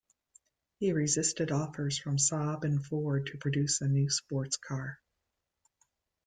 He resisted offers from Saab and Ford to produce a new sports car.